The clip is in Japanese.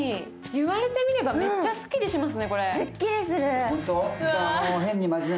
言われてみれば、めっちゃスッキリしますね、これ。